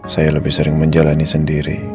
saya lebih sering menjalani sendiri